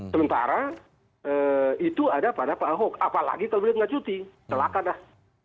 sementara itu ada pada pak ahok apalagi kalau mereka nggak cuti selakan lah